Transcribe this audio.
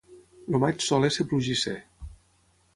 El maig sol ésser plugisser.